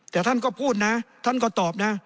แต่ท่านก็พูดนะท่านก็ตอบนะ